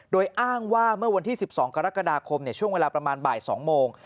โดยอ้างว่าเมื่อวันที่๑๒กรกฎาคมช่วงเวลาประมาณบ่าย๒โมง